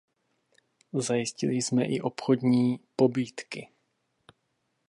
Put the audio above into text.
Zajistili jsme i obchodní pobídky.